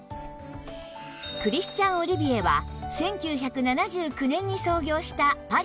クリスチャン・オリビエは１９７９年に創業したパリのブランド